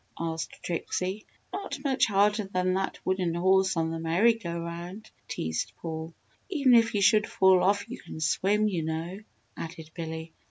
asked Trixie. "Not much harder than that wooden horse on the merry go round," teased Paul. "Even if you should fall off you can swim, you know," added Billy.